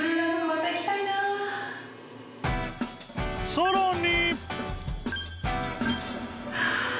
［さらに］